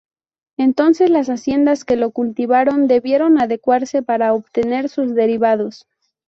Entonces las haciendas que lo cultivaron debieron adecuarse para obtener sus derivados.